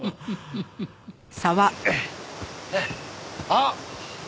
あっ！